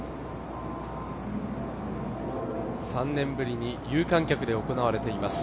３年ぶりに有観客で行われています。